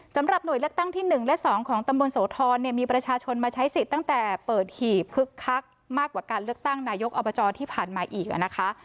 หน่วยเลือกตั้งที่๑และ๒ของตำบลโสธรเนี่ยมีประชาชนมาใช้สิทธิ์ตั้งแต่เปิดหีบคึกคักมากกว่าการเลือกตั้งนายกอบจที่ผ่านมาอีกนะคะ